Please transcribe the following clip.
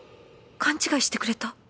勘違いしてくれた